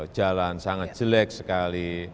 jalan sangat jelek sekali